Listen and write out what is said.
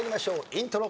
イントロ。